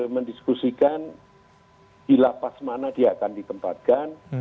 mendiskusikan di lapas mana dia akan ditempatkan